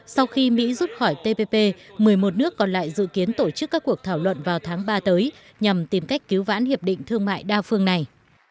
sau khi mỹ rút khỏi tpp một mươi một nước còn lại dự kiến tổ chức các cuộc thảo luận vào tháng ba tới nhằm tìm cách cứu vãn hiệp định thương mại đa phương này